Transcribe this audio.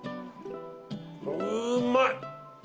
うまい！